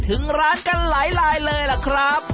ถึงร้านกันหลายลายเลยล่ะครับ